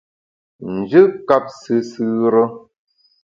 Njù kap sùsù re.